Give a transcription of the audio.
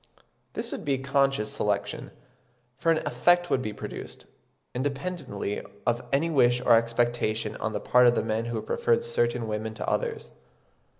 This would be unconscious selection, for an effect would be produced, independently of any wish or expectation on the part of the men who preferred certain women to others.